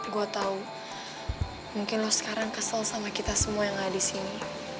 gue tau mungkin lo sekarang kesel sama kita semua yang ada di sini